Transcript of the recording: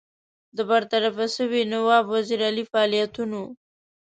د برطرفه سوي نواب وزیر علي فعالیتونو.